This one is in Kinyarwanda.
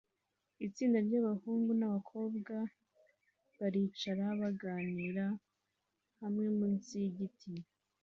Itsinda ryabahungu nabakobwa baricara bakaganira hamwe munsi yigiti